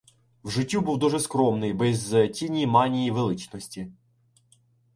В життю був дуже скромний, без тіни манії величності.